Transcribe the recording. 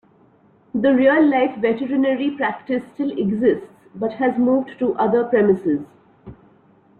The real-life veterinary practice still exists, but has moved to other premises.